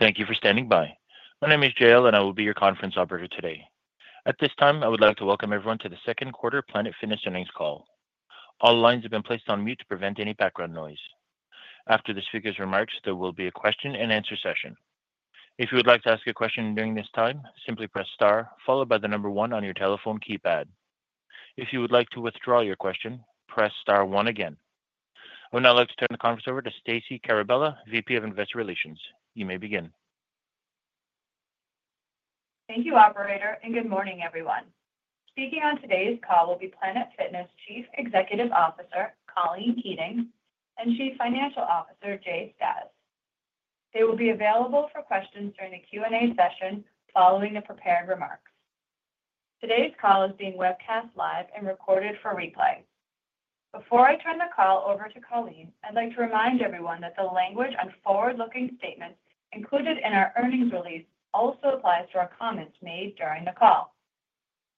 Thank you for standing by. My name is JL and I will be your conference operator today. At this time I would like to welcome everyone to the Second Quarter Planet Fitness Earnings Call. All lines have been placed on mute to prevent any background noise. After this figure's remarks, there will be a question and answer session. If you would like to ask a question during this time, simply press star followed by the number one on your telephone keypad. If you would like to withdraw your question, press star` one again. We would now like to turn the conference over to Stacey Caravella, VP of Investor Relations. You may begin. Thank you, operator, and good morning, everyone. Speaking on today's call will be Planet Fitness Chief Executive Officer Colleen Keating and Chief Financial Officer Jay Stasz. They will be available for questions during the Q&A session following the prepared remarks. Today's call is being webcast live and recorded for replay. Before I turn the call over to Colleen, I'd like to remind everyone that the language on forward-looking statements included in our earnings release also applies to our comments made during the call.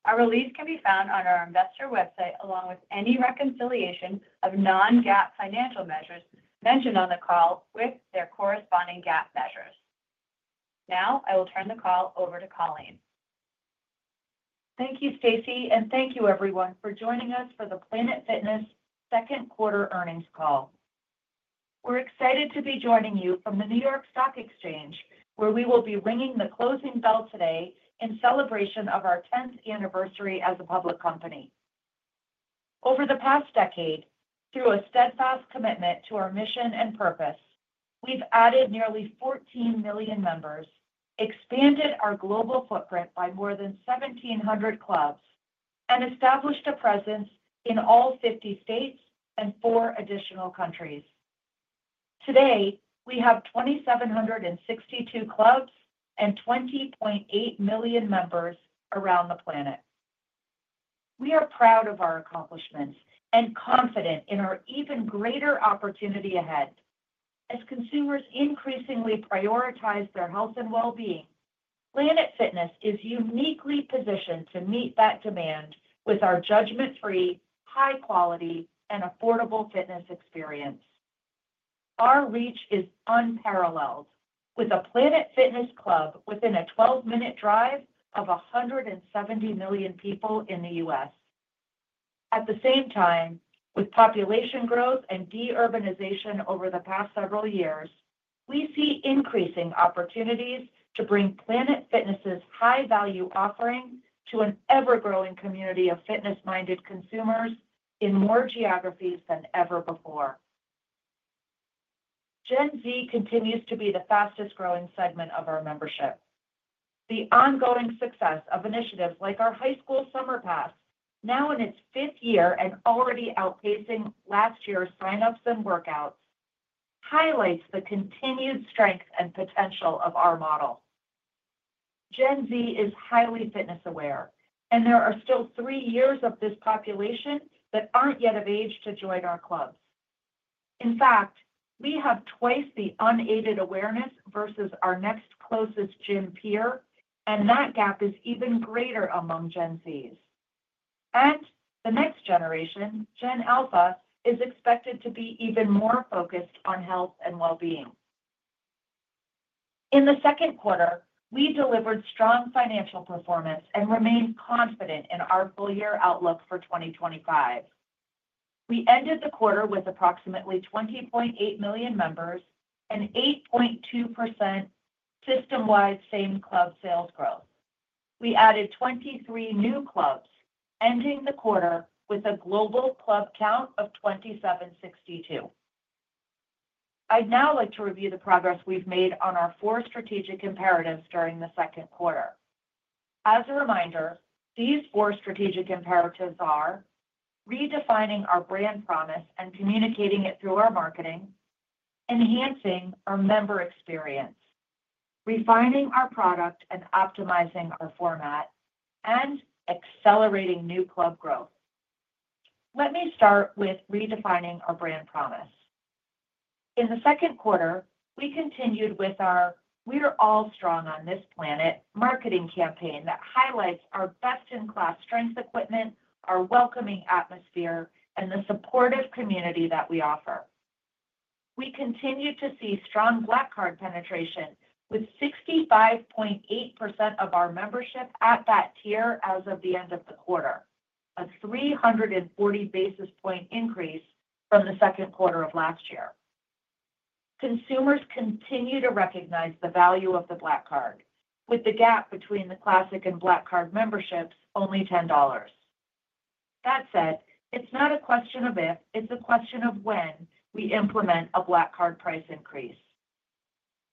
Our release can be found on our investor website along with any reconciliation of non-GAAP financial measures mentioned on the call with their corresponding GAAP measures. Now I will turn the call over to Colleen. Thank you, Stacey, and thank you, everyone, for joining us for the Planet Fitness Second Quarter Earnings Call. We're excited to be joining you from the New York Stock Exchange where we will be ringing the closing bell today in celebration of our 10th anniversary as a public company. Over the past decade, through a steadfast commitment to our mission and purpose, we've added nearly 14 million members, expanded our global footprint by more than 1,700 clubs, and established a presence in all 50 states and four additional countries. Today we have 2,762 clubs and 20.8 million members around the planet. We are proud of our accomplishments and confident in our even greater opportunity ahead. As consumers increasingly prioritize their health and well-being, Planet Fitness is uniquely positioned to meet that demand with our judgment-free, high-quality, and affordable fitness experience. Our reach is unparalleled, with a Planet Fitness club within a 12-minute drive of 170 million people in the U.S. At the same time, with population growth and de-urbanization over the past several years, we see increasing opportunities to bring Planet Fitness's high-value offering to an ever-growing community of fitness-minded consumers in more geographies than ever before. Gen Z continues to be the fastest-growing segment of our membership. The ongoing success of initiatives like our High School Summer Pass, now in its fifth year and already outpacing last year's signups and workouts, highlights the continued strength and potential of our model. Gen Z is highly fitness aware, and there are still three years of this population that aren't yet of age to join our club. In fact, we have twice the unaided awareness versus our next closest gen peer, and that gap is even greater among Gen Z's and the next generation. Gen Alpha is expected to be even more focused on health and well-being. In the second quarter, we delivered strong financial performance and remain confident in our full year outlook for 2025. We ended the quarter with approximately 20.8 million members and 8.2% system-wide same club sales growth. We added 23 new clubs, ending the quarter with a global club count of 2,762. I'd now like to review the progress we've made on our four strategic imperatives during the second quarter. As a reminder, these four strategic imperatives are redefining our brand promise and communicating it through our marketing, enhancing our member experience, refining our product and optimizing our format, and accelerating new club growth. Let me start with redefining our brand promise. In the second quarter, we continued with our We Are All Strong on This Planet marketing campaign that highlights our best-in-class strength equipment, our welcoming atmosphere, and the supportive community that we offer. We continue to see strong Black Card penetration with 65.8% of our membership at that tier as of the end of the quarter, a 340 basis point increase from the second quarter of last year. Consumers continue to recognize the value of the Black Card, with the gap between the Classic and Black Card memberships only $10. That said, it's not a question of if, it's a question of when we implement a Black Card price increase.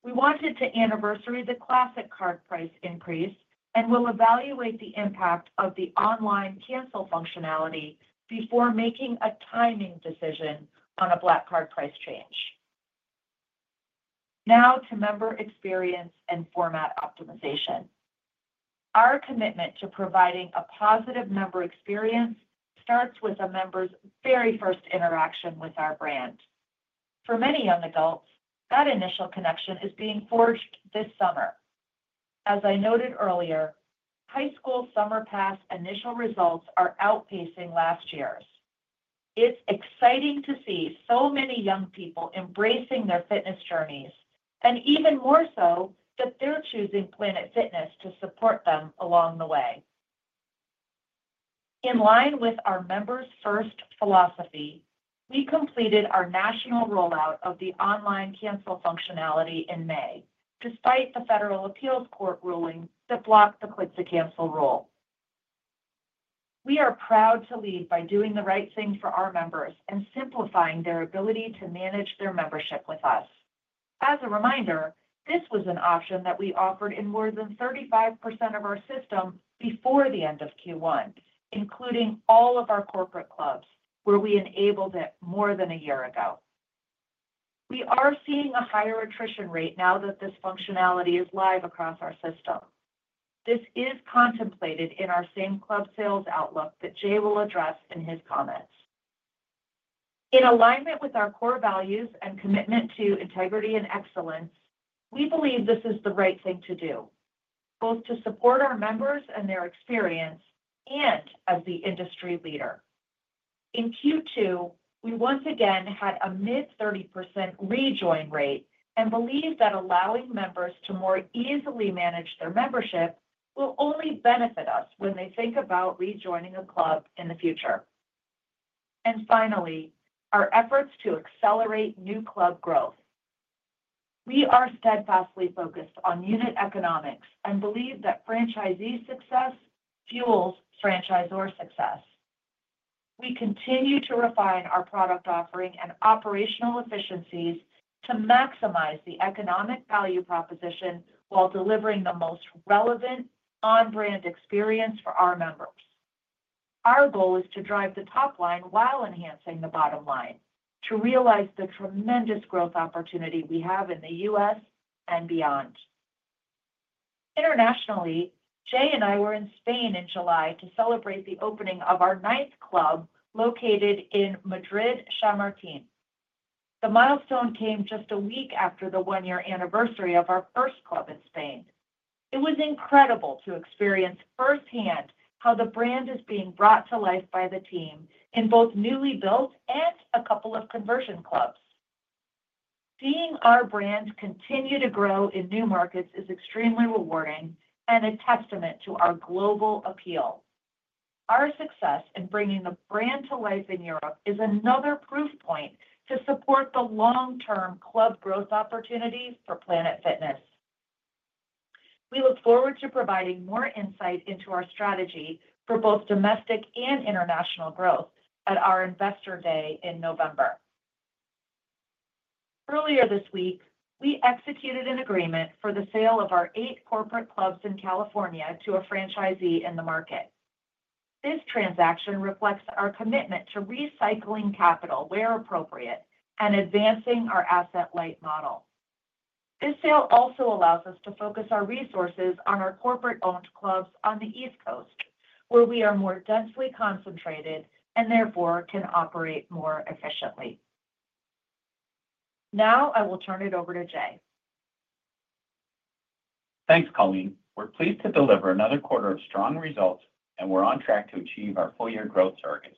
We wanted to anniversary the Classic Card price increase and will evaluate the impact of the online membership cancellation functionality before making a timing decision on a Black Card price change. Now to member experience and club format optimization. Our commitment to providing a positive member experience starts with a member's very first interaction with our brand. For many young adults, that initial connection is being forged this summer. As I noted earlier, High School Summer Pass initial results are outpacing last year's. It's exciting to see so many young people embracing their fitness journeys and even more so that they're choosing Planet Fitness to support them along the way. In line with our members-first philosophy, we completed our national rollout of the online membership cancellation functionality in May. Despite the federal appeals court ruling that blocked the click-to-cancel rule, we are proud to lead by doing the right thing for our members and simplifying their ability to manage their membership with us. As a reminder, this was an option that we offered in more than 35% of our system before the end of Q1, including all of our corporate clubs where we enabled it more than a year ago. We are seeing a higher attrition rate now that this functionality is live across our system. This is contemplated in our same club sales outlook that Jay will address in his comments. In alignment with our core values and commitment to integrity and excellence, we believe this is the right thing to do both to support our members and their experience and as the industry leader. In Q2, we once again had a mid 30% rejoin rate and believe that allowing members to more easily manage their membership will only benefit us when they think about rejoining a club in the future. Finally, our efforts to accelerate new club growth are steadfastly focused on unit economics and we believe that franchisee success fuels franchisor success. We continue to refine our product offering and operational efficiencies to maximize the economic value proposition while delivering the most relevant on brand experience for our members. Our goal is to drive the top line while enhancing the bottom line to realize the tremendous growth opportunity we have in the U.S. and beyond internationally. Jay and I were in Spain in July to celebrate the opening of our ninth club located in Madrid, Chamartín. The milestone came just a week after the one year anniversary of our first club in Spain. It was incredible to experience firsthand how the brand is being brought to life by the team in both newly built and a couple of conversion clubs. Seeing our brand continue to grow in new markets is extremely rewarding and a testament to our global appeal. Our success in bringing the brand to life in Europe is another proof point to support the long term club growth opportunities for Planet Fitness. We look forward to providing more insight into our strategy for both domestic and international growth at our Investor Day in November. Earlier this week, we executed an agreement for the sale of our eight corporate clubs in California to a franchisee in the market. This transaction reflects our commitment to recycling capital where appropriate and advancing our asset-light model. This sale also allows us to focus our resources on our corporate owned clubs on the East Coast where we are more densely concentrated and therefore can operate more efficiently. Now I will turn it over to Jay. Thanks Colleen. We're pleased to deliver another quarter of strong results, and we're on track to achieve our full year growth target.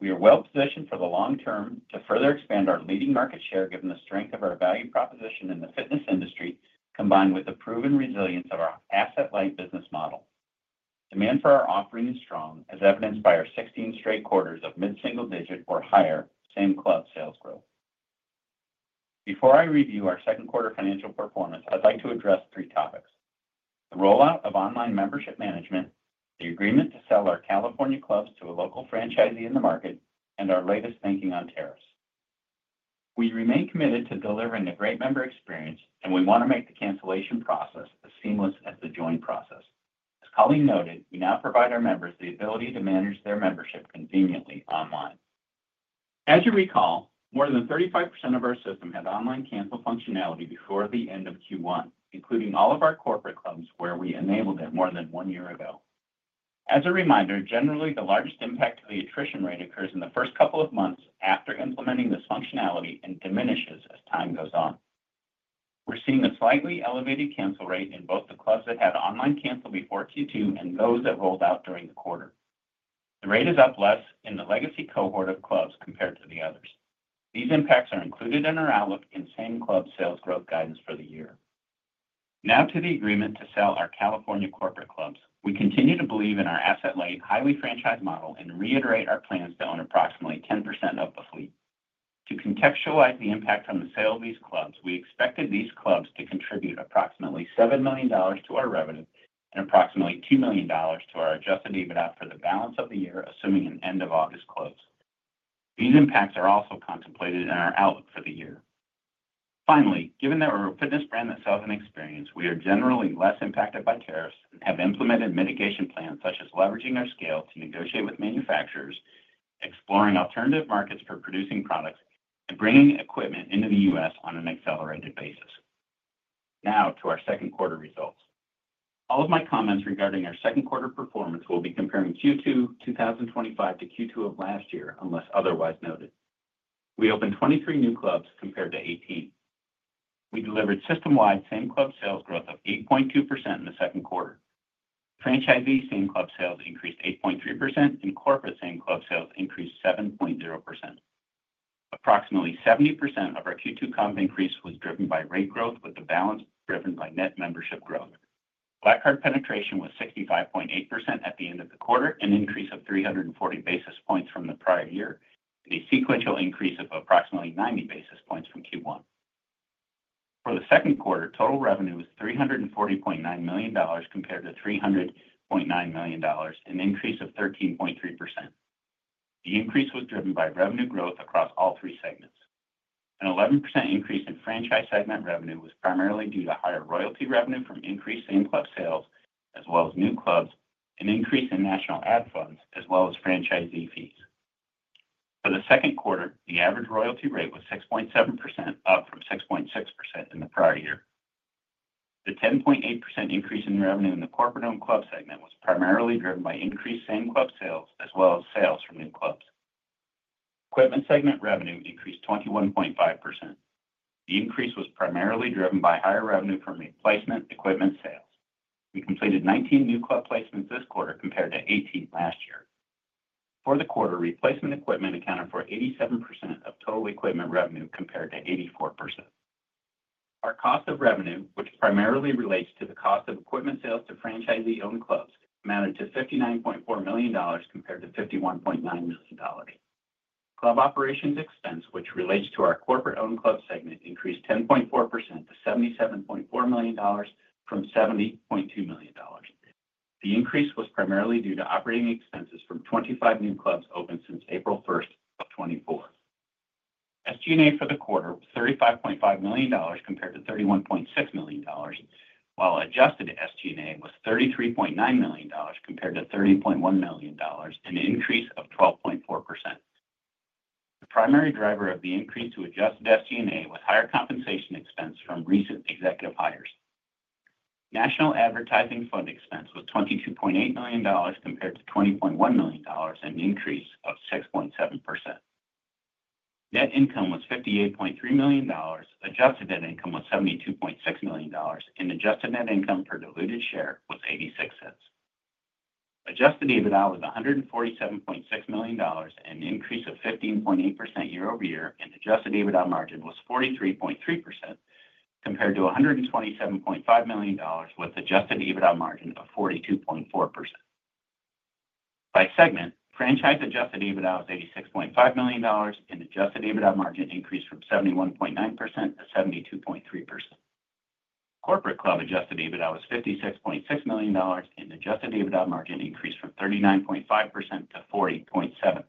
We are well positioned for the long term to further expand our leading market share given the strength of our value proposition in the fitness industry, combined with the proven resilience of our asset-light business model. Demand for our offering is strong, as evidenced by our 16 straight quarters of mid single digit or higher same club sales growth. Before I review our second quarter financial performance, I'd like to address three: the rollout of online membership management, the agreement to sell our California clubs to a local franchisee in the market, and our latest thinking on tariffs. We remain committed to delivering a great member experience, and we want to make the cancellation process as seamless as the join process. As Colleen noted, we now provide our members the ability to manage their membership conveniently online. As you recall, more than 35% of our system has online cancel functionality before the end of Q1, including all of our corporate clubs where we enabled it more than one year ago. As a reminder, generally the largest impact to the attrition rate occurs in the first couple of months after implementing this functionality and diminishes as time goes on. We're seeing a slightly elevated cancel rate in both the clubs that had online cancel before Q2 and those that rolled out during the quarter. The rate is up less in the legacy cohort of clubs compared to the others. These impacts are included in our outlook and same club sales growth guidance for the year. Now to the agreement to sell our California corporate clubs. We continue to believe in our asset-light, highly franchise-driven model and reiterate our plans to own approximately 10% of the fleet. To contextualize the impact on the sale of these clubs, we expected these clubs to contribute approximately $7 million to our revenue and approximately $2 million to our adjusted EBITDA for the balance of the year, assuming an end of August close. These impacts are also contemplated in our outlook for the year. Finally, given that we're a fitness brand that sells an experience, we are generally less impacted by tariffs, have implemented mitigation plans such as leveraging our scale to negotiate with manufacturers, and exploring alternative markets for producing products and bringing equipment into the U.S. on an accelerated basis. Now to our second quarter results. All of my comments regarding our second quarter performance will be comparing Q2 2025 to Q2 of last year. Unless otherwise noted, we opened 23 new clubs compared to 18. We delivered system-wide same club sales growth of 8.2% in the second quarter. Franchisee same club sales increased 8.3% and corporate same club sales increased 7.0%. Approximately 70% of our Q2 comp increase was driven by rate growth, with the balance driven by net membership growth. Black Card penetration was 65.8% at the end of the quarter, an increase of 340 basis points from the prior year and a sequential increase of approximately 90 basis points from Q1. For the second quarter, total revenue was $340.9 million compared to $300.9 million, an increase of 13.3%. The increase was driven by revenue growth across all three segments. An 11% increase in franchise segment revenue was primarily due to higher royalty revenue from increased same club sales as well as new clubs, an increase in national ad funds as well as franchisee fees. For the second quarter, the average royalty rate was 6.7%, up from 6.6% in the prior year. The 10.8% increase in revenue in the corporate owned club segment was primarily driven by increased same club sales as well as sales from new clubs. Equipment segment revenue increased 21.5%. The increase was primarily driven by higher revenue from replacement equipment sales. We completed 19 new club placements this quarter compared to 18 last year. For the quarter, replacement equipment accounted for 87% of total equipment revenue compared to 84%. Our cost of revenue primarily relates to the cost of equipment. Sales to franchisee owned clubs amounted to $59.4 million compared to $51.9 million. Club operations expense, which relates to our corporate owned club segment, increased 10.4% to $77.4 million from $70.2 million. The increase was primarily due to operating expenses from 25 new clubs opened since April 1st, 2024. SG&A for the quarter was $35.5 million compared to $31.6 million, while adjusted SG&A was $33.9 million compared to $30.1 million, an increase of 12.4%. The primary driver of the increase to adjusted SG&A was higher compensation expense from recent executive hires. National advertising fund expense was $22.8 million compared to $20.1 million, an increase of 6.7%. Net income was $58.3 million. Adjusted net income was $72.6 million and adjusted net income per diluted share was $0.86. Adjusted EBITDA was $147.6 million, an increase of 15.8% year-over-year, and adjusted EBITDA margin was 43.3% compared to $127.5 million with adjusted EBITDA margin of 42.4%. By segment, franchise adjusted EBITDA was $86.5 million and adjusted EBITDA margin increased from 71.9% to 72.3%. Corporate club adjusted EBITDA was $56.6 million and adjusted EBITDA margin increased from 39.5% to 40.7%.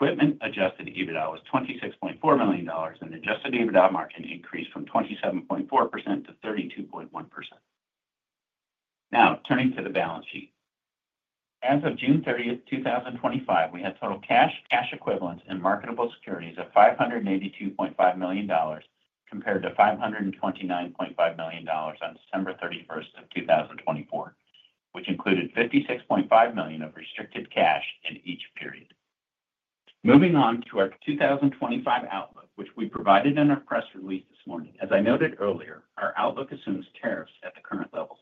Equipment adjusted EBITDA was $26.4 million and adjusted EBITDA margin increased from 27.4% to 32.1%. Now turning to the balance sheet, as of June 30, 2025, we had total cash, cash equivalents, and marketable securities of $582.5 million compared to $529.5 million on September 31st, 2024, which included $56.5 million of restricted cash in each period. Moving on to our 2025 outlook, which we provided in our press release this morning. As I noted earlier, our outlook assumes tariffs at the current levels.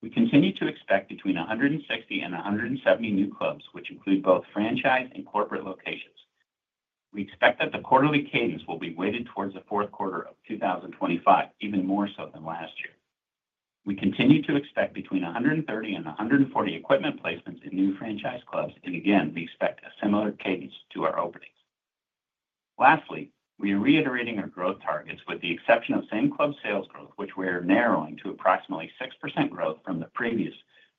We continue to expect between 160 and 170 new clubs, which include both franchise and corporate locations. We expect that the quarterly cadence will be weighted towards the fourth quarter of 2025, even more so than last year. We continue to expect between 130 and 140 equipment placements in new franchise clubs, and again we expect a similar cadence to our last year. Lastly, we are reiterating our growth targets. With the exception of same club sales growth, which we are narrowing to approximately 6% growth from the previous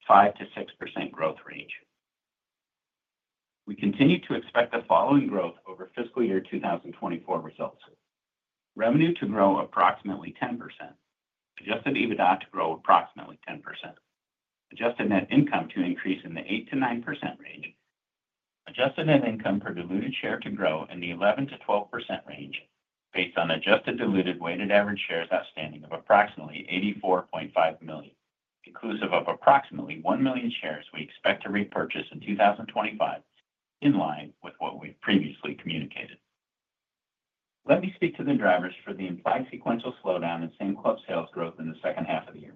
5%-6% growth range, we continue to expect the following growth over fiscal year 2024 results: revenue to grow approximately 10%, adjusted EBITDA to grow approximately 10%, adjusted net income to increase in the 8%-9% range. Adjusted net income per diluted share can grow in the 11%-12% range based on adjusted diluted weighted average shares outstanding of approximately 84.5 million, inclusive of approximately 1 million shares we expect to repurchase in 2025 in line with what we previously communicated. Let me speak to the drivers for the implied sequential slowdown in same club sales growth in the second half of the year.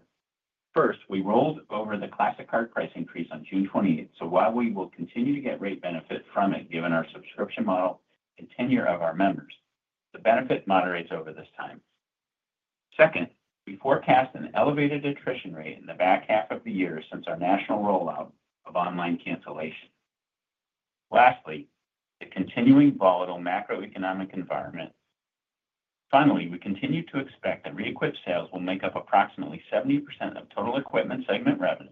First, we rolled over the Classic Card price increase on June 28, so while we will continue to get rate benefit from it, given our substitution model and tenure of our members, the benefit moderates over this time. Second, we forecast an elevated attrition rate in the back half of the year since our national rollout of online cancellation. Lastly, the continuing volatile macroeconomic environment. Finally, we continue to expect that re-equipped sales will make up approximately 70% of total equipment segment revenue.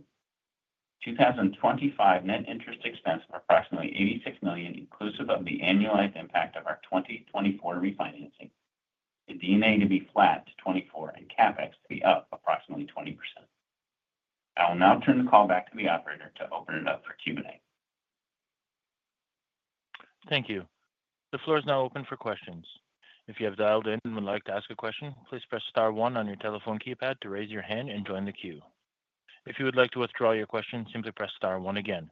2025 net interest expense for approximately $86 million inclusive of the annual impact of our 2024 refinancing, DNA to be flat to 2024 and CapEx to be up approximately 20%. I will now turn the call back to the operator to open it up for Q and A. Thank you. The floor is now open for questions. If you have dialed in and would like to ask a question, please press star one on your telephone keypad to raise your hand and join the queue. If you would like to withdraw your question, simply press star one again.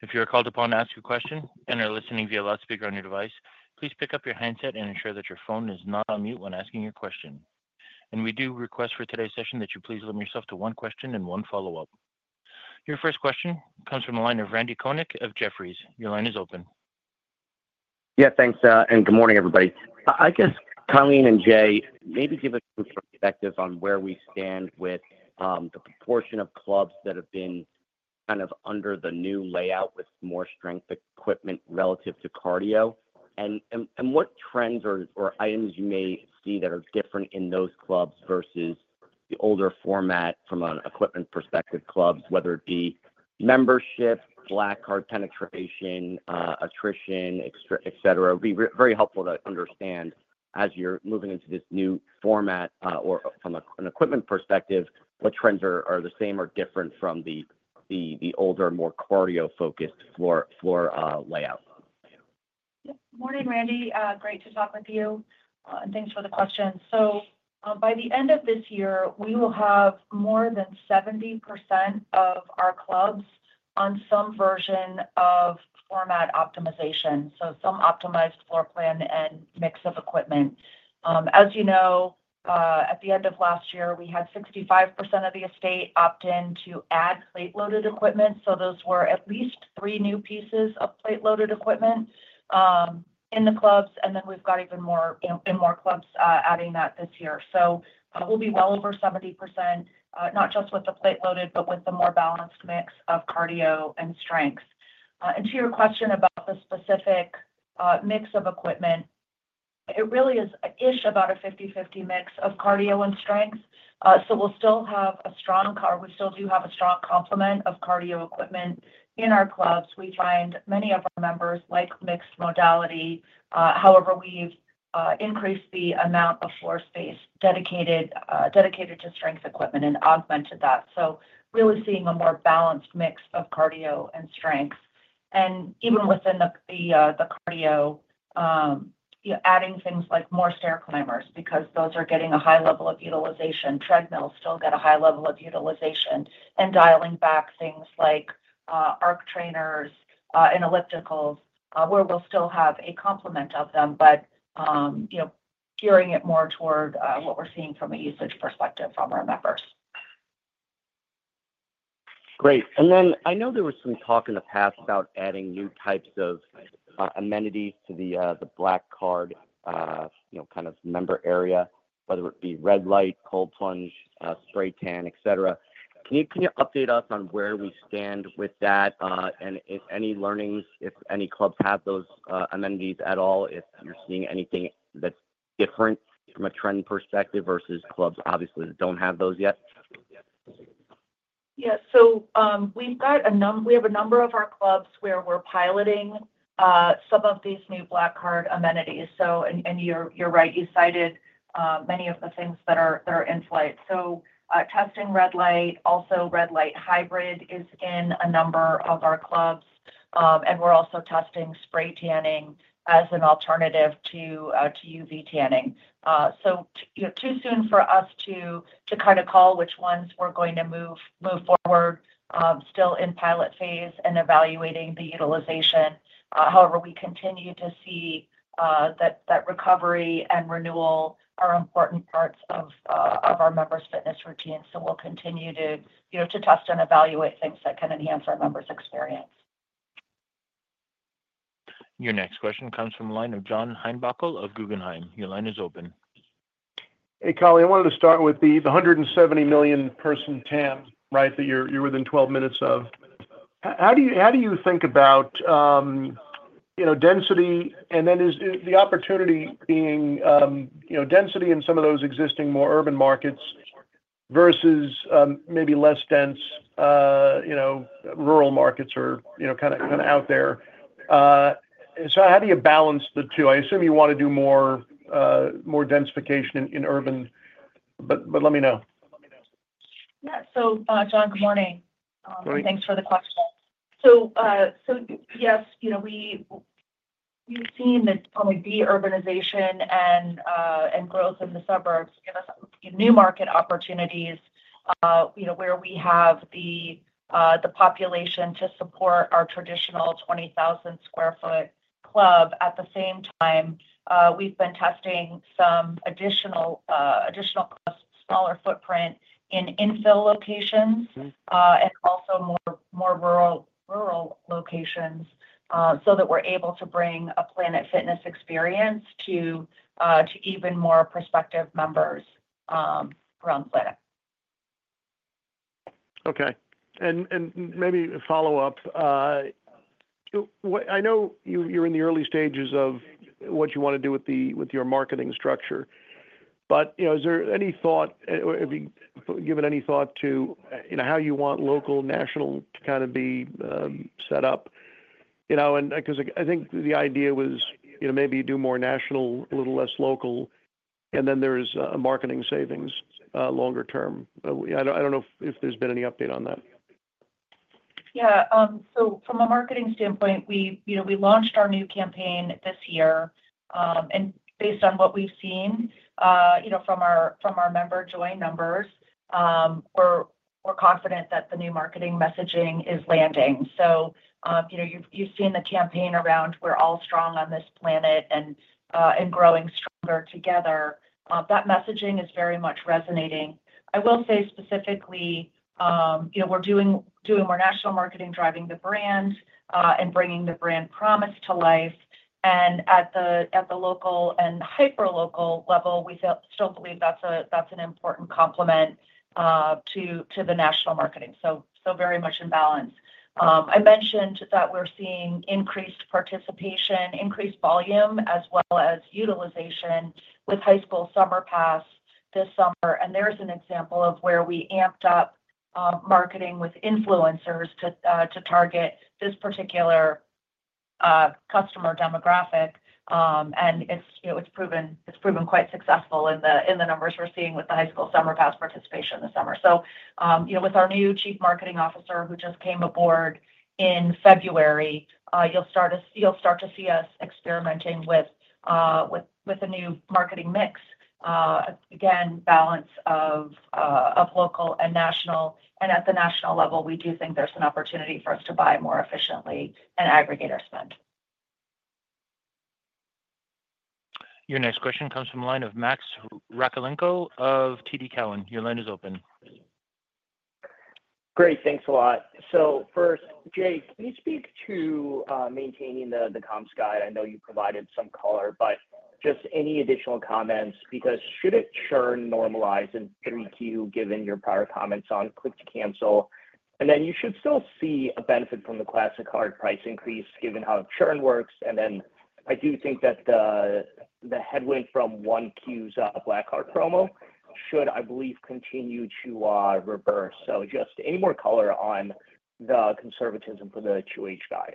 If you are called upon to ask a question and are listening via loudspeaker on your device, please pick up your handset and ensure that your phone is not on mute when asking your question. We do request for today's session that you please limit yourself to one question and one follow up. Your first question comes from the line of Randy Konik of Jefferies. Your line is open. Yeah, thanks and good morning everybody. I guess Colleen and Jay, maybe give us some perspective on where we stand with the proportion of clubs that have been under the new layout with more strength equipment relative to cardio, and what trends or items you may see that are different in those clubs versus the older format. From an equipment perspective, clubs, whether it be membership, Black Card, penetration, attrition, et cetera, it would be very helpful to understand as you're moving into this new format or from an equipment perspective, what trends are the same or different from the older, more cardio-focused floor layout. Morning Randy, great to talk with you and thanks for the question. By the end of this year we will have more than 70% of our clubs on some version of club format optimization, some optimized floor plan and mix of equipment. As you know, at the end of last year we had 65% of the estate opt in to add plate loaded equipment. Those were at least three new pieces of plate loaded equipment in the clubs. We've got even more and more clubs adding that this year. We will be well over 70% not just with the plate loaded but with the more balanced mix of cardio and strength. To your question about the specific mix of equipment, it really is about a 50/50 mix of cardio and strength. We still do have a strong complement of cardio equipment in our clubs. We find many of our members like mixed modality. However, we've increased the amount of floor space dedicated to strength equipment and augmented that. Really seeing a more balanced mix of cardio and strength and even within the cardio adding things like more stair climbers because those are getting a high level of utilization. Treadmills still get a high level of utilization and dialing back things like arc trainers and ellipticals where we'll still have a complement of them, but gearing it more toward what we're seeing from an ESIX perspective from our members. Great. I know there was some talk in the past about adding new types of amenities to the Black Card, you know, kind of member area, whether it be red light, cold plunge, spray tan, etc. Can you update us on where we stand with that and if any learnings, if any clubs have those amenities at all, if you're seeing anything that's different from a trend perspective versus clubs that don't have those yet. Yes. We have a number of our clubs where we're piloting some of these new Black Card amenities. You're right, you cited many of the things that are in flight. Testing red light, also red light hybrid is in a number of our clubs, and we're also testing spray tanning as an alternative to UV tanning. It's too soon for us to call which ones we're going to move forward with, still in pilot phase and evaluating the utilization. However, we continue to see that recovery and renewal are important parts of our members' fitness routine. We'll continue to test and evaluate things that enhance members' experience. Your next question comes from the line of John Heinbockel of Guggenheim. Your line is open. Hey Colleen, I wanted to start with the 170 million person TAM, right, that you're within 12 minutes of. How do you think about density? Is the opportunity being density in some of those existing more urban markets versus maybe less dense rural markets are kind of out there? How do you balance the two? I assume you want to do more, more densification in urban. Let me know. John, good morning. Thanks for the question. Yes, we've seen that urbanization and growth in the suburbs give us new market opportunities, where we have the population to support our traditional 20,000 square foot club. At the same time, we've been testing some additional smaller footprint in infill locations and also more rural locations so that we're able to bring a Planet Fitness experience to even more prospective members around Fletcher. Maybe follow up. I know you're in the early stages of what you want to do with your marketing structure. Is there any thought, have you given any thought to how you want local, national to kind of be set up? I think the idea was maybe do more national, a little less local, and then there is marketing savings longer term. I don't know if there's been any update on that. Yeah. From a marketing standpoint, we launched our new campaign this year, and based on what we've seen from our member join numbers, we're confident that the new marketing messaging is landing. You've seen the campaign around "We're all strong on this planet and growing stronger together." That messaging is very much resonating. I will say specifically, we're doing more national marketing, driving the brand and bringing the brand promise to life. At the local and hyper-local level, we still believe that's an important complement to the national marketing, so very much in balance. I mentioned that we're seeing increased participation, increased volume, as well as utilization with High School Summer Pass this summer, and there's an example of where we amped up marketing with influencers to target this particular customer demographic. It's proven quite successful in the numbers we're seeing with the High School Summer Pass participation this summer. With our new Chief Marketing Officer who just came aboard in February, you'll start to see us experimenting with a new marketing mix, again, balance of local and national. At the national level, we do think there's an opportunity for us to buy more efficiently and aggregate our spend. Your next question comes from the line of Max Rakhlenko of TD Cowen. Your line is open. Great, thanks a lot. So first, Jay, can you speak to maintaining the commsci. I know you provided some color, but just any additional comments? Because shouldn't churn normalize in Q3 given your prior comments on click-to-cancel? You should still see a benefit from the Classic Card price increase, given how churn works. I do think that the headwind from 1Q's Black Card promo should, I believe, continue to reverse. Just any more color on the conservatism for the 2H guide?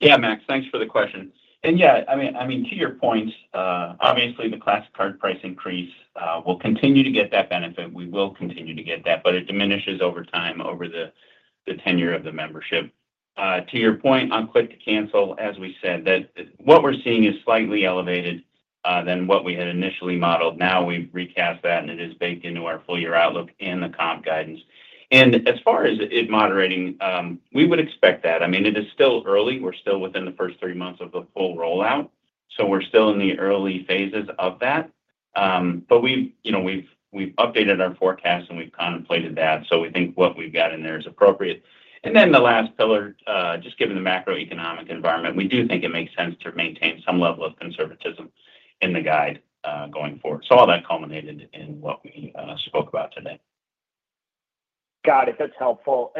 Yeah, Max, thanks for the question. To your point, obviously the Classic Card price increase will continue to get that benefit. We will continue to get that, but it diminishes over time, over the tenure of the membership. To your point on click-to-cancel, as we said, what we're seeing is slightly elevated than what we had initially modeled. Now we recast that, and it is baked into our full year outlook and the comp guidance. As far as it moderating, we would expect that. It is still early. We're still within the first three months of the full rollout, so we're still in the early phases of that. We've updated our forecast and we've contemplated that, so we think what we've got in there is appropriate. The last pillar, just given the macroeconomic environment, we do think it makes sense to maintain some level of conservatism in the guide going forward. All that culminated in what we spoke about today. Got it. That's helpful.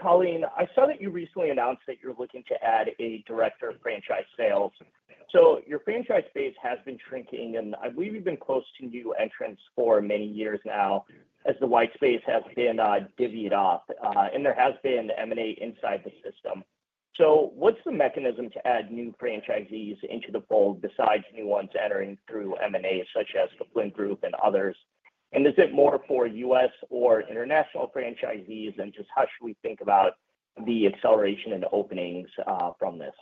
Colleen, I saw that you recently announced that you're looking to add a Director of Franchise Sales. Your franchise space has been shrinking and I believe you've been closed to new entrants for many years now as the white space has been divvied off and there has been M&A inside the system. What's the mechanism to add new franchisees into the fold besides new ones entering through M&A, such as the Flint Group and others? Is it more for U.S. or international franchisees? How should we think about the acceleration in openings from this?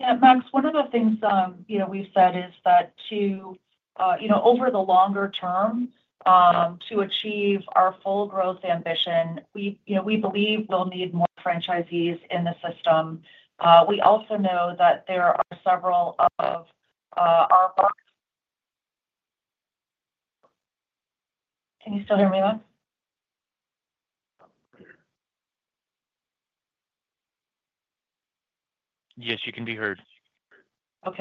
Yeah, Max, one of the things we've said is that over the longer term, to achieve our full growth ambition, we believe we'll need more franchisees in the system. We also know that there are several above. Can you still hear me? Yes, you can be heard. To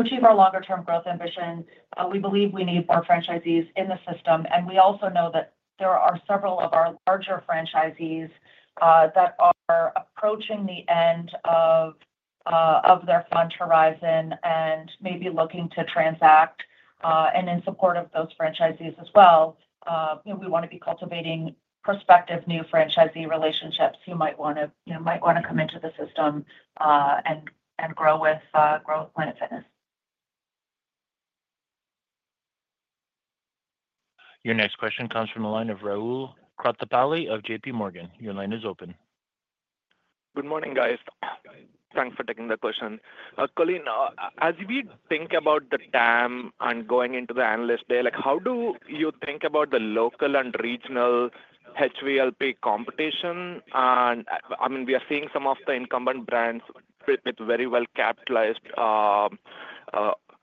achieve our longer term growth ambition, we believe we need more franchisees in the system. We also know that there are several of our larger franchisees that are approaching the end of their fund horizon and may be looking to transact. In support of those franchisees as well, we want to be cultivating prospective new franchisee relationships who might want to come into the system and grow with Planet Fitness. Your next question comes from the line of Rahul Krotthapalli of JPMorgan. Your line is open. Good morning, guys. Thanks for taking the question, Colleen. As we think about the TAM and going into the Analyst Day, how do you think about the local and regional HVLP competition? We are seeing some of the incumbent brands with very well-capitalized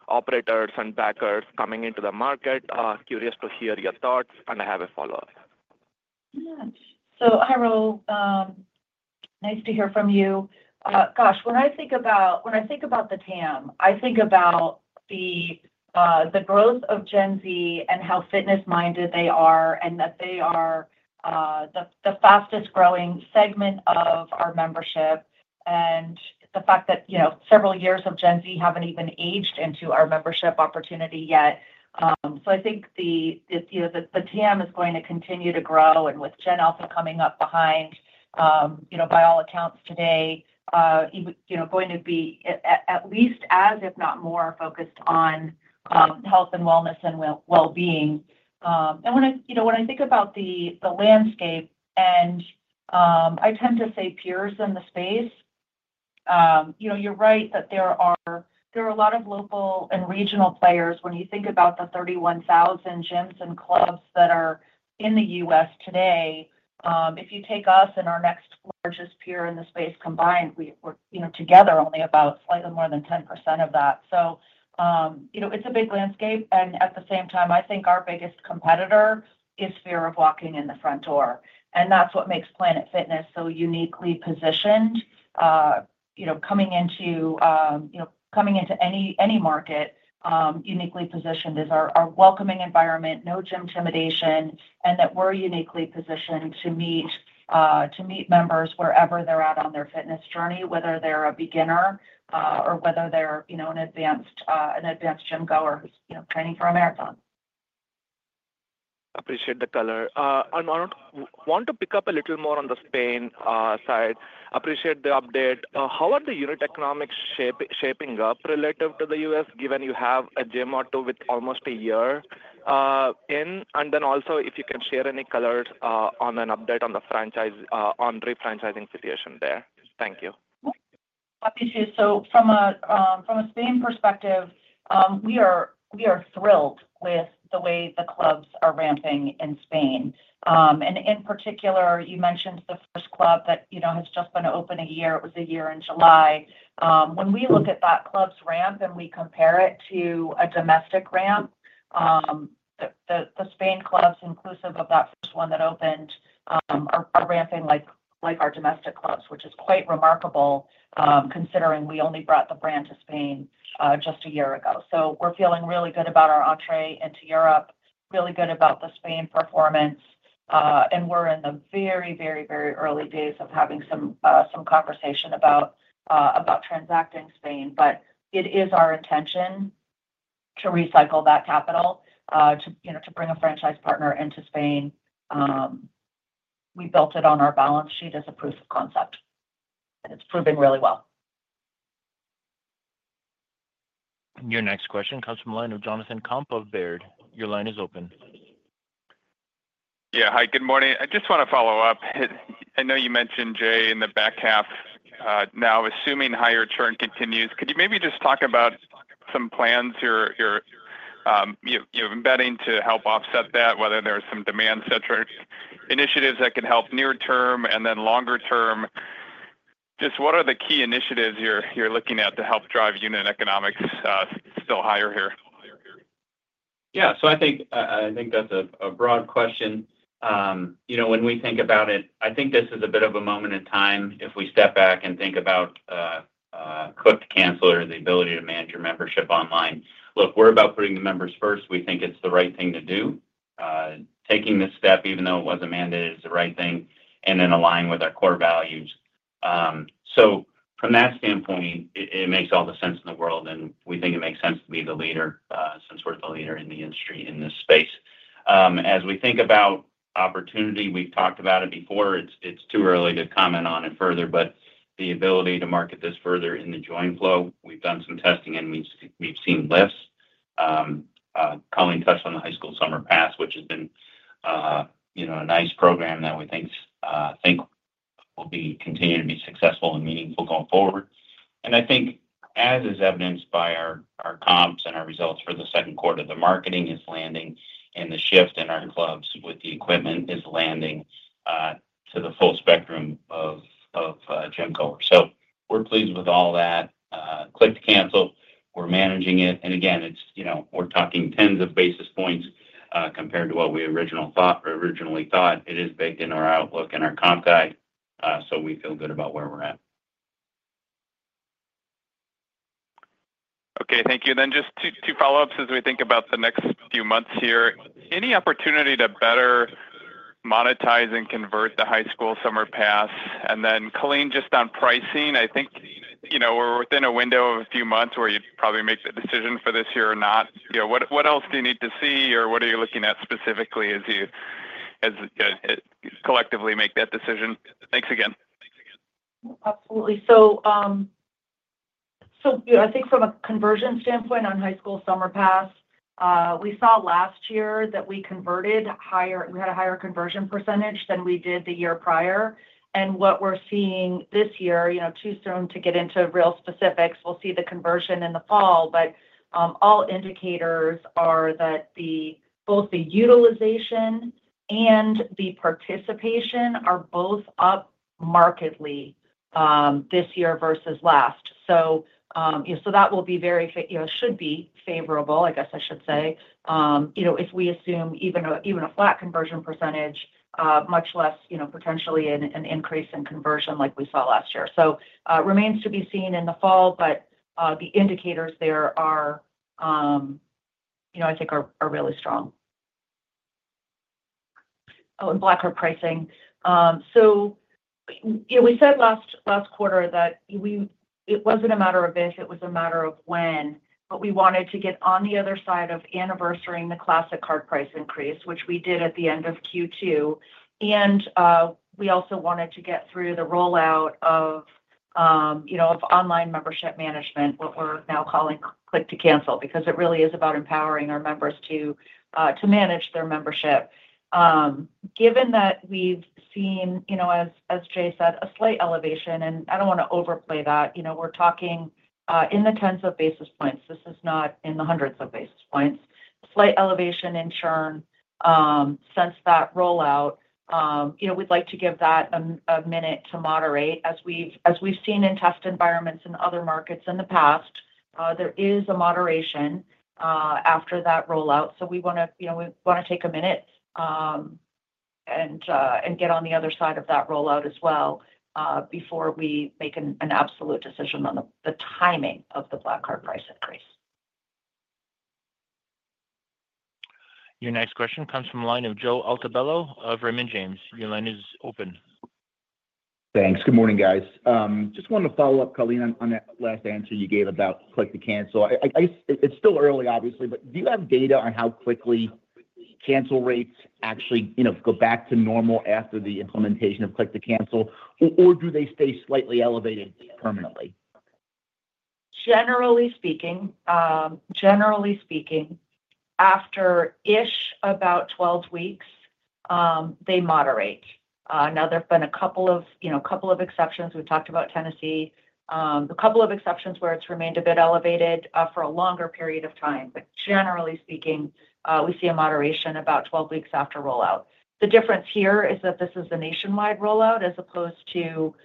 operators and backers coming into the market. Curious to hear your thoughts. Have a follow-up. Hyrule, nice to hear from you. Gosh, when I think about the TAM, I think about the growth of Gen Z and how fitness minded they are and that they are just the fastest growing segment of our membership and the fact that several years of Gen Z haven't even aged into our membership opportunity yet. I think the TAM is going to continue to grow and with Gen Alpha coming up behind, by all accounts today, going to be at least as if not more focused on health and wellness and well being. When I think about the landscape and I tend to say peers in the space, you're right that there are a lot of local and regional players. When you think about the 31,000 gyms and clubs that are in the U.S. today, if you take us and our next largest peer in the space combined, we're together only about slightly more than 10% of that. It's a big landscape and at the same time I think our biggest competitor is fear of walking in the front door and that's what makes Planet Fitness so uniquely positioned, coming into any market. Uniquely positioned is our welcoming environment, no gym intimidation and that we're uniquely positioned to meet members wherever they're at on their fitness journey, whether they're a beginner or whether they're an advanced gym goer who's training for a marathon. Appreciate the color, want to pick up a little more on the Spain side? Appreciate the update. How are the unit economics shaping up relative to the U.S. given you have a gym or two with almost a year in, and then also if you can share any color on an update on the franchise or refranchising situation there. Thank you. From a Spain perspective, we are thrilled with the way the clubs are ramping in Spain. In particular, you mentioned the first club that has just been open a year; it was a year in July. When we look at that club's ramp and we compare it to a domestic ramp, the Spain club, inclusive of that one that opened, is ramping like our domestic clubs, which is quite remarkable considering we only brought the brand to Spain just a year ago. We are feeling really good about our entree into Europe, really good about the Spain performance, and we are in the very, very, very early days of having some conversation about transacting Spain. It is our intention to recycle that capital to bring a franchise partner into Spain. We built it on our balance sheet as a proof of concept, and it's proving really well. Your next question comes from the line of Jonathan Komp of Baird. Your line is open. Yeah, hi, good morning. I just want to follow up. I know you mentioned Jay in the back half. Now, assuming higher churn continues, could you maybe just talk about some plans. You're. Embedding to help offset that? Whether there's some demand centric initiatives that can help near term and then longer term, what are the key initiatives you're looking at to help drive unit economics still higher here? Yeah, I think that's a broad question. When we think about it, I think this is a bit of a moment in time if we step back and think about click-to-cancel and the ability to manage your membership online. Look, we're about putting the members first. We think it's the right thing to do, taking this step, even though it wasn't mandated, it's the right thing and aligns with our core values. From that standpoint, it makes all the sense in the world and we think it makes sense to be the leader since we're the leader in the industry in this space. As we think about opportunity, we've talked about it before, it's too early to comment on it further, but the ability to market this further in the join flow. We've done some testing and we've seen lifts. Colleen tests on the High School Summer Pass, which has been a nice program that we think will continue to be successful and meetings will go forward. I think, as is evidenced by our comps and our results for the second quarter, the marketing is landing and the shift in our clubs with the equipment is landing to the full spectrum of gym goers. We're pleased with all that. Click-to-cancel, we're managing it and again, we're talking tens of basis points compared to what we originally thought. It is baked in our outlook and our comp guide. We feel good about where we're at. Okay, thank you. Just two follow ups as we. Think about the next few months here. Any opportunity to better monetize and convert the High School Summer Pass? Colleen, just on pricing, I think we're within a window of a few months where you probably make the decision for this year or not. What else do you need to see or what are you looking at specifically as you collectively make that decision? Thanks again. qAbsolutely. I think from a conversion standpoint on High School Summer Pass, we saw last year that we converted higher. We had a higher conversion percentage than we did the year prior. What we're seeing this year, it's too soon to get into real specifics. We'll see the conversion in the fall. All indicators are that both the utilization and the participation are both up markedly this year versus lpercentagest. That will be very, should be favorable, I guess I should say, if we assume even a flat conversion percentage, much less potentially an increase in conversion like we saw last year. It remains to be seen in the fall. The indicators there are, I think, are really strong. Black Card pricing, we said last quarter that it wasn't a matter of if, it was a matter of when. We wanted to get on the other side of anniversarying the Classic Card price increase, which we did at the end of Q2. We also wanted to get through the rollout of online membership management, what we're now calling click-to-cancel, because it really is about empowering our members to manage their membership, given that we've seen, as Jay said, a slight elevation. I don't want to overplay that. We're talking in the tens of basis points. This is not in the hundreds of basis points. Slight elevation in churn since that rollout. We'd like to give that a minute to moderate as we've seen in test environments in other markets in the past, there is a moderation after that rollout. We want to take a minute and get on the other side of that rollout as well before we make an absolute decision on the timing of the Black Card price increase. Your next question comes from the line of Joe Altobello of Raymond James. Your line is open. Thanks. Good morning, guys. Just want to follow up, Colleen, on that last answer you gave about click-to-cancel. It's still early, obviously, but do you have data on how quickly cancel rates actually go back to normal after the implementation of click-to-cancel, or do they stay slightly elevated permanently? Generally speaking, after about 12 weeks, they moderate. There have been a couple of exceptions. We've talked about Tennessee, a couple of exceptions where it's remained a bit elevated for a longer period of time. Generally speaking, we see a moderation about 12 weeks after rollout. The difference here is that this is the nationwide rollout as opposed to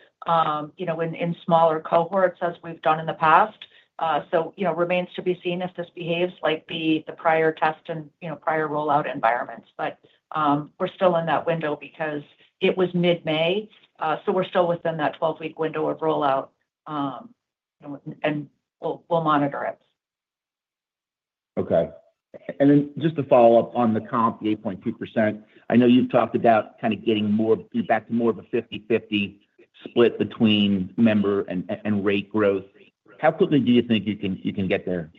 in smaller cohorts, as we've done in the past. It remains to be seen if this behaves like the prior test and prior rollout environments. We're still in that window because it was mid May. We're still within that 12 week window of rollout and we'll monitor it. Okay. Just to follow up on the comp, 8.2%. I know you've talked about kind of getting more back to more of a 50:50 split between member and rate growth. How quickly do you think you can get there?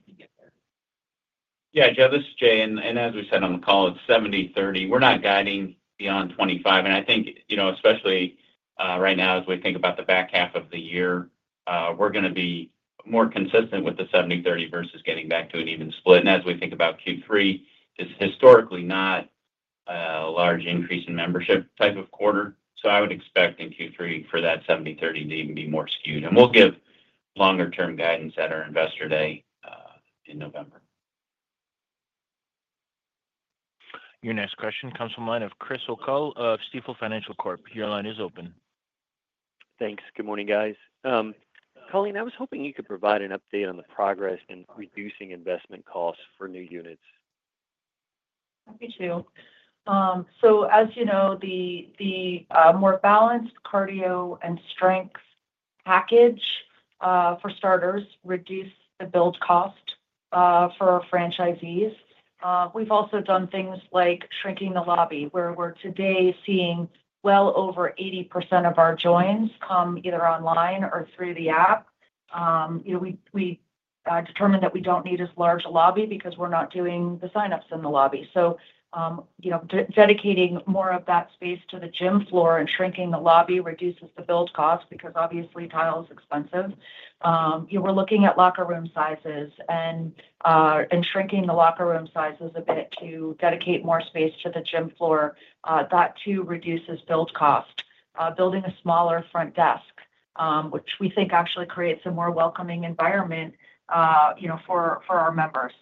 Yeah, this is Jay and as we said on the call, it's 70:30. We're not guiding beyond 2025. I think, especially right now, as we think about the back half of the year, we're going to be more consistent with the 70:30 versus getting back to an even split. As we think about Q3, it's historically not a large increase in membership type of quarter. I would expect in Q3 for that 70:30 to even be more skewed. We'll give longer term guidance at our Investor Day in November. Your next question comes from the line of Chris O'Cull of Stifel Financial Corp. Your line is open. Thanks. Good morning, guys. Colleen, I was hoping you could provide an update on the progress in reducing investment costs for new units. Me too. As you know, the more balanced cardio and strength package, for starters, reduces the build cost for franchisees. We've also done things like shrinking the lobby where we're today seeing well over 80% of our joins come either online or through the app. We determined that we don't need as large a lobby because we're not doing the signups in the lobby. Dedicating more of that space to the gym floor and shrinking the lobby reduces the build costs because obviously tile is expensive. You were looking at locker room sizes and shrinking the locker room sizes a bit to dedicate more space to the gym floor. That too reduces build cost. Building a smaller front desk, which we think actually creates a more welcoming environment for our members.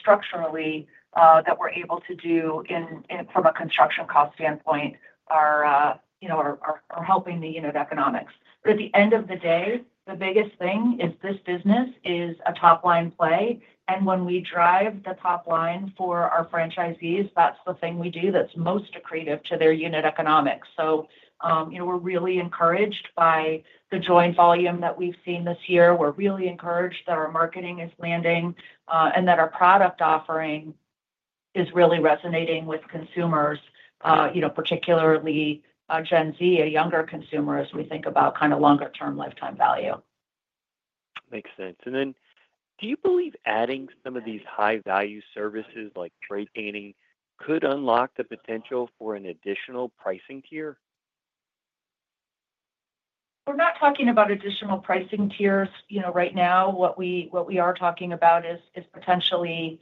Structurally, things that we're able to do from a construction cost standpoint are helping the unit economics. At the end of the day, the biggest thing is this business is a top line play. When we drive the top line for our franchisees, that's the thing we do that's most accretive to their unit economics. We're really encouraged by the join volume that we've seen this year. We're really encouraged that our marketing is landing and that our product offering is really resonating with consumers, particularly Gen Z, a younger consumer, as we think about. Kind of longer term lifetime value makes sense. Do you believe adding some of these high value services like trade painting could unlock the potential for an additional pricing tier? We're not talking about additional pricing tiers. Right now what we are talking about is potentially,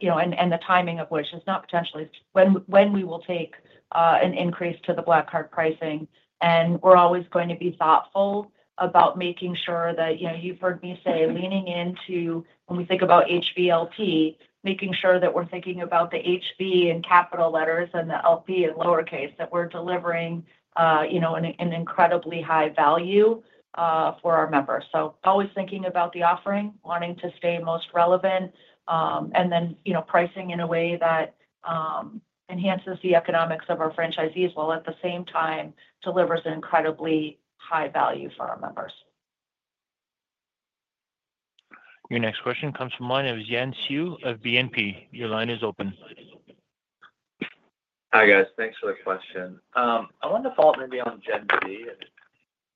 you know, and the timing of which is not potentially when we will take an increase to the Black Card pricing. We're always going to be thoughtful about making sure that, you know, you've heard me say leaning into, when we think about HVLP, making sure that we're thinking about the HV in capital letters and the LP in lowercase, that we're delivering, you know, an incredibly high value for our members. Always thinking about the offering, wanting to stay most relevant, and then, you know, pricing in a way that enhances the economics of our franchisees while at the same time delivers incredibly high value for our members. Your next question comes from the line of Xian Siew of BNP. Your line is open. Hi guys, thanks for the question. I wanted to follow up maybe on. Gen Z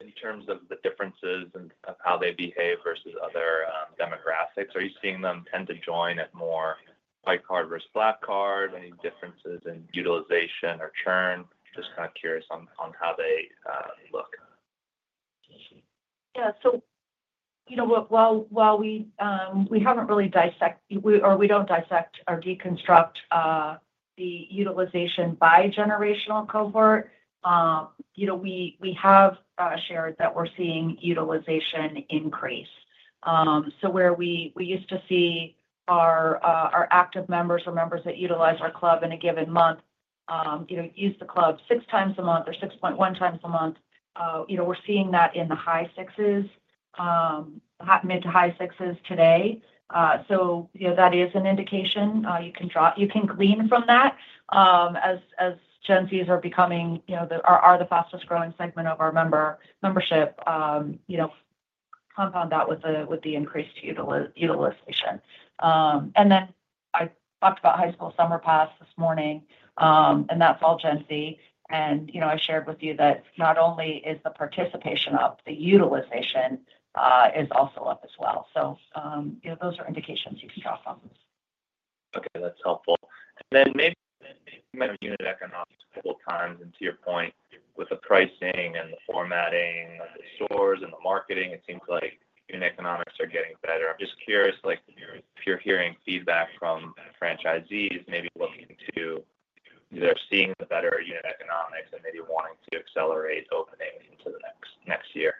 in terms of the differences. Of how they behave versus other demographics. Are you seeing them tend to join at more Classic Card versus Black Card? Any differences in utilization or churn? Just kind of curious on how they look. Yeah. While we haven't really dissected or we don't dissect or deconstruct the utilization by generational cohort, we have shared that we're seeing utilization increase. Where we used to see our active members or members that utilize our club in a given month use the club six times a month or 6.1 times a month, we're seeing that in the high sixes, mid to high sixes today. That is an indication you can draw, you can glean from that as Gen Zs are becoming the fastest growing segment of our membership. Compound that with the increased utilization. I talked about High School Summer Pass this morning and that's all Gen Z. I shared with you that not only is the participation up, the utilization is also up as well. Those are indications you can draw from. Okay, that's helpful. Maybe you had economics a couple of times and to your point with the pricing and formatting stores and the marketing, it seems like unit economics are getting better. I'm just curious, like you're hearing feedback from franchisees maybe looking to do either of seeing the better unit economics and maybe wanting to accelerate opening into the next year.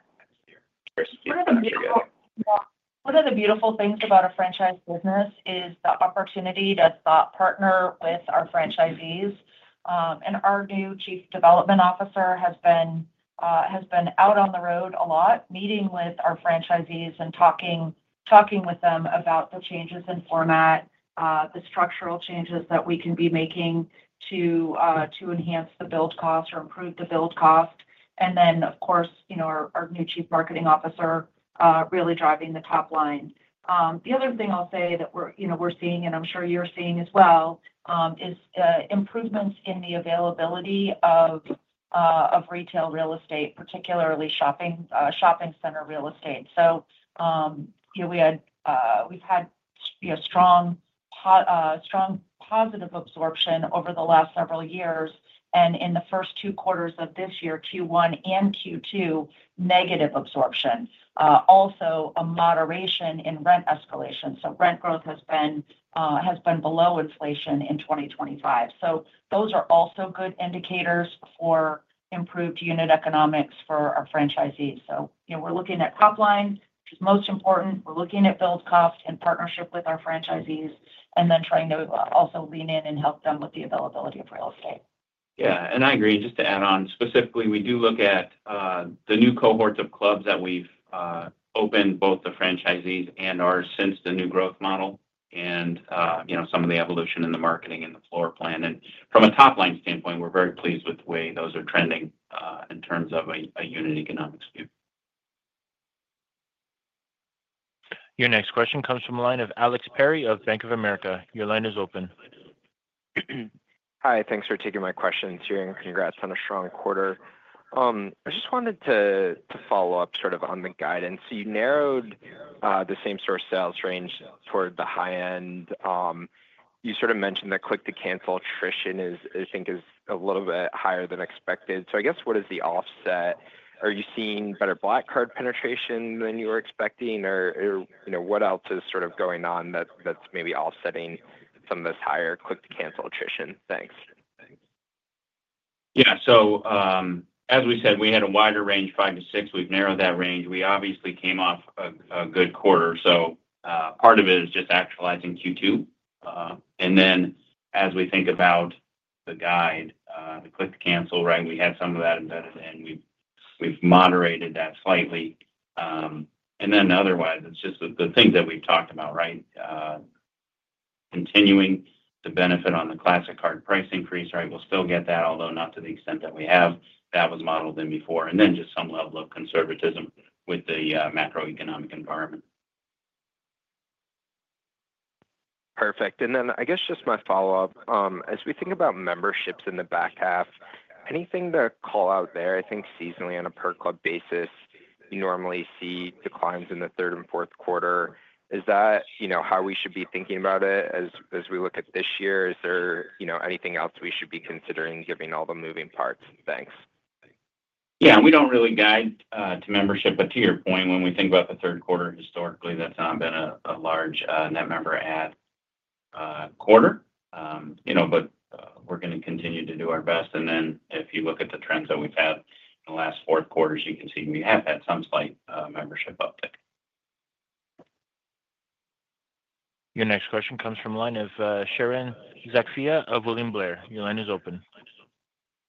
One of the beautiful things about a franchise business is the opportunity to thought partner with our franchisees. Our new Chief Development Officer has been out on the road a lot, meeting with our franchisees and talking with them about the changes in format, the structural changes that we can be making to enhance the build cost or improve the build cost. Of course, our new Chief Marketing Officer is really driving the top line. The other thing I'll say that we're seeing, and I'm sure you're seeing as well, is improvements in the availability of retail real estate, particularly shopping center real estate. We've had strong positive absorption over the last several years. In the first two quarters of this year, Q1 and Q2, negative absorption, also a moderation in rent escalation. Rent growth has been below inflation in 2025. Those are also good indicators for improved unit economics for our franchisees. We're looking at top line. Most important, we're looking at build cost in partnership with our franchisees and then trying to also lean in and help them with the availability of real estate. Yeah, I agree. Just to add on specifically, we do look at the new cohorts of clubs that we've opened, both the franchisees and ours, since the new growth model and some of the evolution in the marketing and the floor plan. From a top line standpoint, we're very pleased with the way those are trending in terms of a unit economics view. Your next question comes from the line of Alex Perry of Bank of America. Your line is open. Hi, thanks for taking my question. Congrats on a strong quarter. I just wanted to follow up sort of on the guidance. You narrowed the same club sales range toward the high end. You sort of mentioned that click-to-cancel attrition is, I think, a little bit higher than expected. What is the offset? Are you seeing better Black Card penetration than you were expecting or what else is sort of going on that's maybe offsetting some of this higher click-to-cancel attrition? Thanks. Yeah, as we said, we had a wider range, five to six. We've narrowed that range. We obviously came off a good quarter. Part of it is just actualizing Q2. As we think about the guide, the click to cancel, we had some of that embedded and we've moderated that slightly. Otherwise, it's just the things that we talked about, continuing to benefit on the Classic Card price increase. We'll still get that, although not to the extent that we have that was modeled in before, and just some level of conservatism with the macroeconomic environment. Perfect. I guess just my follow up as we think about memberships in the back half, anything to call out there? I think seasonally on a per club basis, you normally see declines in the. Third and fourth quarter. Is that how we should be thinking about it as we look at this year? Is there anything else we should be considering, given all the moving parts? Thanks. Yeah, we don't really guide to membership, but to your point, when we think about the third quarter, historically that's not been a large net member quarter. We're going to continue to do our best. If you look at the trends that we've had in the last fourth quarter, as you can see, we have had some slight membership update. Your next question comes from the line of Sharon Zackfia of William Blair. Your line is open.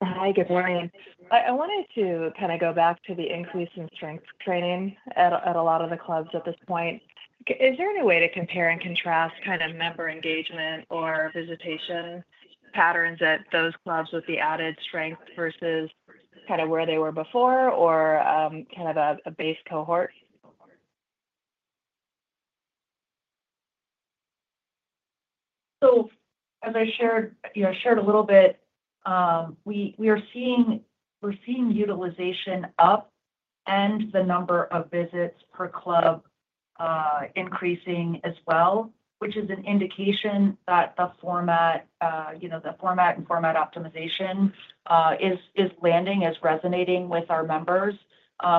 Hi, good morning. I wanted to kind of go back to the increase in strength training at a lot of the clubs at this point. Is there any way to compare and contrast kind of member engagement or visitation patterns at those clubs with the added strength versus kind of where they were before or kind of a base cohort? As I shared, we are seeing utilization up and the number of visits per club increasing as well, which is an indication that the format and club format optimization is landing, is resonating with our members.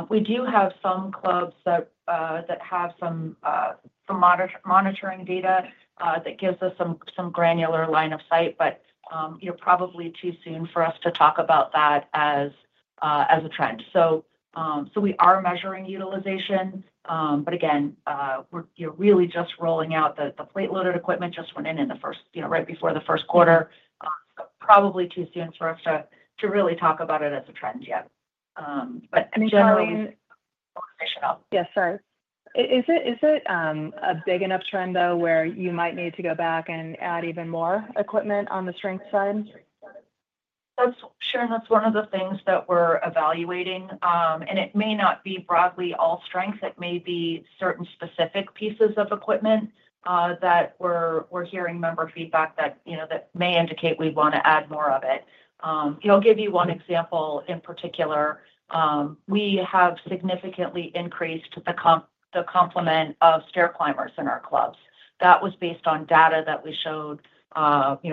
We do have some clubs that have some monitoring data that gives us some granular line of sight, but it's probably too soon for us to talk about that as a trend. We are measuring utilization. You're really just rolling out the plate-loaded equipment, it just went in right before the first quarter. Probably too soon for us to really talk about it as a trend yet, but generally, yes sir. Is it a big enough trend though where you might need to go back and add even more equipment on the strength side? That's Sharon, that's one of the things that we're evaluating. It may not be broadly all strength, it may be certain specific pieces of equipment that we're hearing member feedback that may indicate we want to add more of it. I'll give you one example in particular. We have significantly increased the complement of stair climbers in our clubs. That was based on data that we showed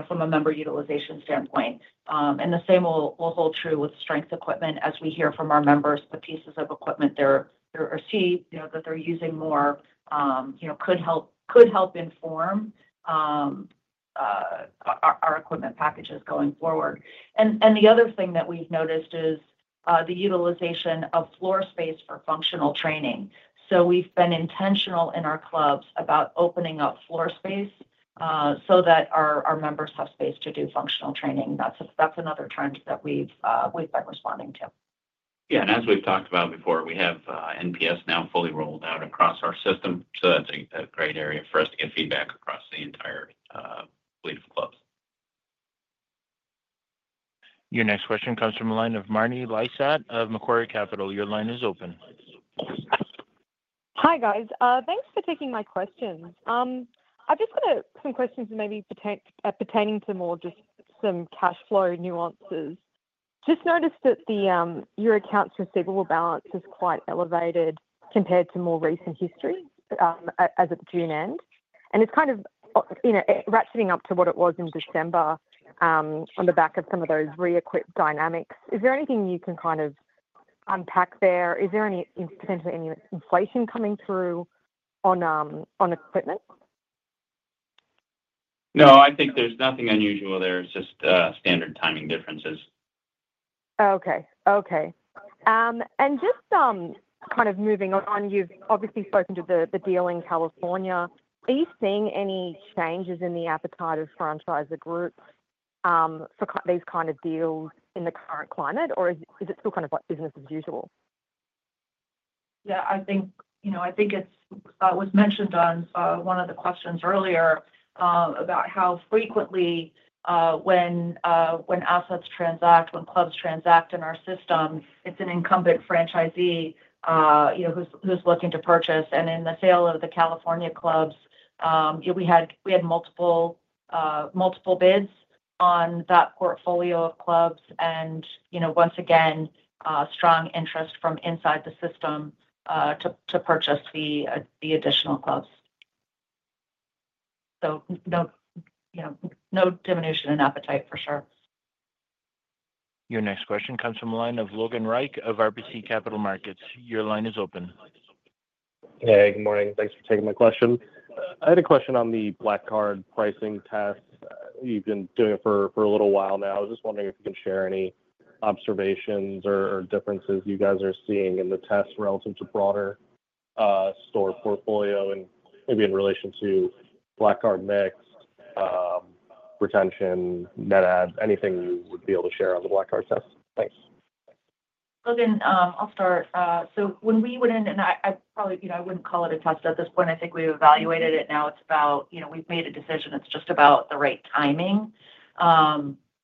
from a member utilization standpoint. The same will hold true with strength equipment. As we hear from our members, the pieces of equipment there or see that they're using more could help inform our equipment packages going forward. The other thing that we've noticed is the utilization of floor space for functional training. We've been intentional in our clubs about opening up floor space so that our members have space to do functional training. That's another trend that we've been responding to. Yeah. As we've talked about before, we have NPS now fully rolled out across our system. That's a great area for us to get feedback across the entire fleet of clubs. Your next question comes from the line of Marni Lysaght of Macquarie Capital. Your line is open. Hi guys, thanks for taking my question. I've just got some questions maybe pertaining to more just some cash flow nuances. I just notice that your accounts receivable balance is quite elevated compared to more recent history as of June end, and it's kind of, you know, ratcheting up to what it was in December on the back of some of those re-equipped dynamics. Is there anything you can kind of unpack there? Is there any, potentially any inflation coming through on equipment? No, I think there's nothing unusual there. It's just standard timing differences. Okay. And just kind of moving on. You've obviously spoken to the deal in California. Are you seeing any changes in the appetite of franchisor groups for these kind of deals in the current climate or is it still kind of like business as usual? Yeah, I think it was mentioned on one of the questions earlier about how frequently when assets transact, when clubs transact in our system, it's an incumbent franchisee who's looking to purchase. In the sale of the California clubs, we had multiple bids on that portfolio of clubs and once again strong interest from inside the system to purchase the additional clubs. No diminution in appetite for sure. Your next question comes from the line of Logan Reich of RBC Capital Markets. Your line is open. Hey, good morning. Thanks for taking my question. I had a question on the Black Card pricing test. You've been doing it for a little while now. I was just wondering if you can share any observations or differences you guys are seeing in the test relative to broader store portfolio, and maybe in relation to Black Card mix, retention, net add, anything you would be able to share on the Black Card test. Thanks, Logan. I'll start. When we would end. I probably, you know, I wouldn't call it a test at this point. I think we evaluated it. Now it's about, you know, we've made a decision. It's just about the right timing.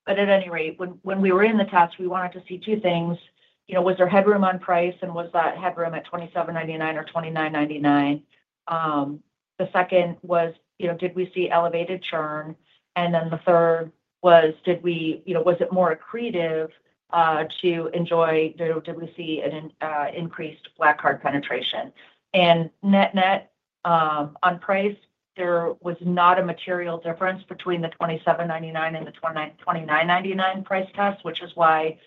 At any rate, when we were in the test, we wanted to see two things. Was there headroom on price and was that headroom at $27.99 or $29.99? The second was, did we see elevated churn? The third was, did we, you know, was it more accretive to enjoy? Did we see an increased Black Card penetration and net net on price? There was not a material difference between the $27.99 and the $29.99 price test, which is why,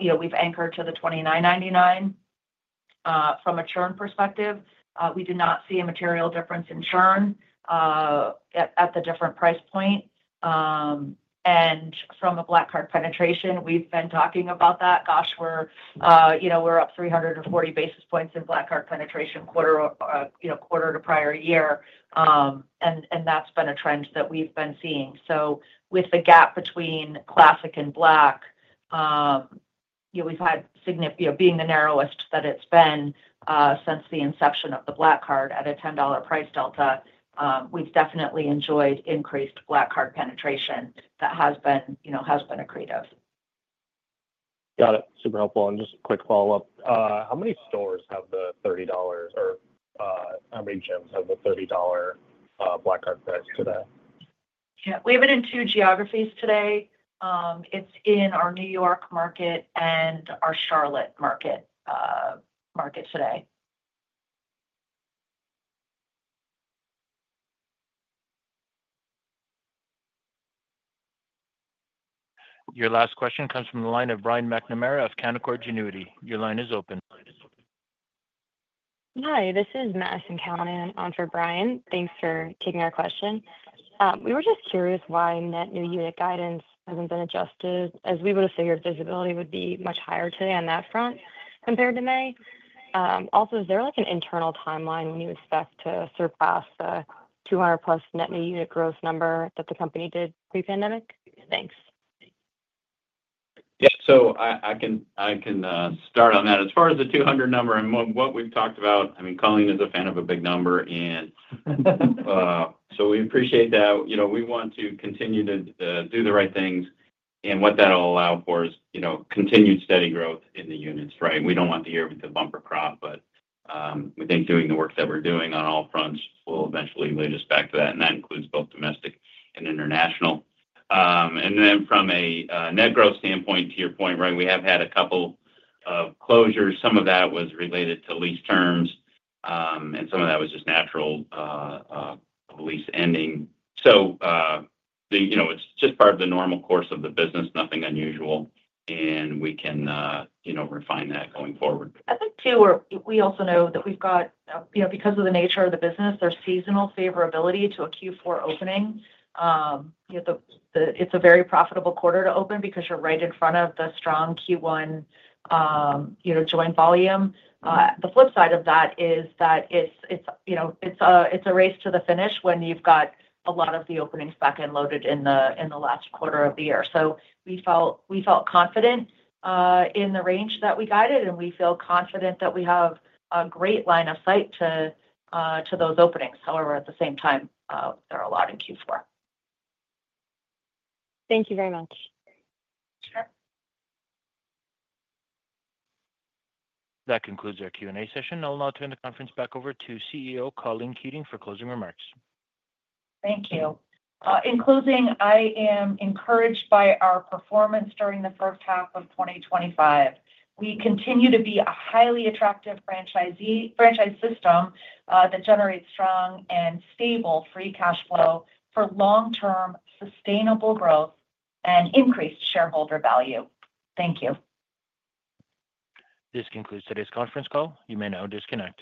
you know, we've anchored to the $29.99. From a churn perspective, we did not see a material difference in churn at the different price point. From a Black Card penetration, we've been talking about that. Gosh, we're, you know, we're up 340 basis points in Black Card penetration quarter to prior year, and that's been a trend that we've been seeing. With the gap between Classic and Black, we've had signifier being the narrowest that it's been since the inception of the Black Card at a $10 price delta. We've definitely enjoyed increased Black Card penetration that has been, you know, has been accretive. Got it. Super helpful. Just a quick follow up. How many stores have the $30 Black Card price today? Yeah, we have it in two geographies today. It's in our New York market and our Charlotte market today. Your last question comes from the line of Brian McNamara of Canaccord Genuity. Your line is open. Hi, this is Madison Callinan on for Brian, thanks for taking our question. We were just curious why net new unit guidance hasn't been adjusted as we would have figured. Visibility would be much higher today on that front compared to May. Also, is there like an internal timeline when you expect to surpass the 200+ net new unit growth number that the company did pre-pandemic? Thanks. Yeah, so I can start on that as far as the 200 number and what we've talked about. Colleen is a fan of a big number and we appreciate that, you know, we want to continue to do the right things and what that will allow for is, you know, continued steady growth in the units. Right. We don't want the air to bumper crop, but we think doing the work that we're doing on all fronts will eventually lead us back to that. That includes both domestic, international and then from a net growth standpoint to your point, we have had a couple of closures. Some of that was related to lease terms and some of that was just natural lease ending. It's just part of the normal course of the business, nothing unusual. We can refine that going forward. I think too. We also know that we've got, you know, because of the nature of the business, there's seasonal favorability to a Q4 opening. It's a very profitable quarter to open because you're right in front of the strong Q1, you know, join volume. The flip side of that is that it's a race to the finish when you've got a lot of the openings back end loaded in the last quarter of the year. We felt confident in the range that we guided and we feel confident that we have a great line of sight to those openings. However, at the same time, there are. A lot in Q4. Thank you very much. That concludes our Q&A session. I'll now turn the conference back over to CEO Colleen Keating for closing remarks. Thank you. In closing, I am encouraged by our performance during the first half of 2025. We continue to be a highly attractive franchise system that generates strong and stable free cash flow for long-term sustainable growth and increased shareholder value. Thank you. This concludes today's conference call. You may now disconnect.